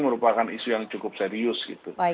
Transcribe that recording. merupakan isu yang cukup serius gitu